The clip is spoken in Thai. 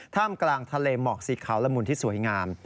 กลางทะเลหมอกสีขาวละมุนที่สวยงาม